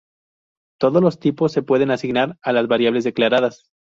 Todos los tipos se pueden asignar a las variables declaradas.